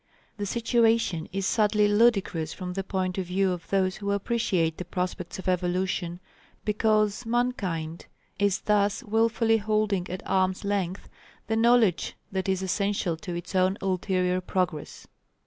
The situation is sadly ludicrous from the point of view of those who appreciate the prospects of evolution, because mankind is thus wilfully holding at arm's length, the knowledge that is essential to its own ulterior progress.